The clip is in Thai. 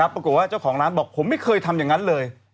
ปรากฏว่าเจ้าของร้านบอกผมไม่เคยทำอย่างนั้นเลย